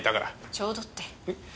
ちょうどって。